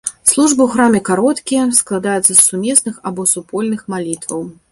Службы ў храме кароткія, складаюцца з сумесных або супольных малітваў.